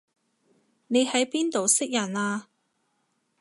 你喺邊度識人啊